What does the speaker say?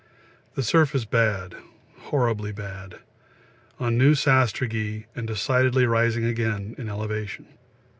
The surface bad, horribly bad on new sastrugi, and decidedly rising again in elevation.